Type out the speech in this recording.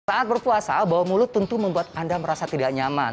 saat berpuasa bau mulut tentu membuat anda merasa tidak nyaman